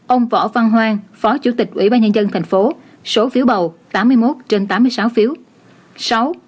ông võ văn hoang phó chủ tịch ủy ban nhân dân tp số phiếu bầu tám mươi một trên tám mươi sáu phiếu